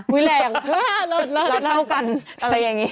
วีแหลงเยอะเราเล่ากันอะไรอย่างนี้